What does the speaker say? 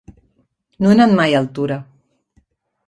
No he anat mai a Altura.